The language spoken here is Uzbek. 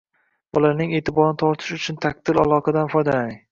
Bolaning e’tiborini tortish uchun taktil aloqadan foydalaning